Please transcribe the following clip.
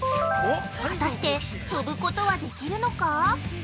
果たして飛ぶことはできるのか。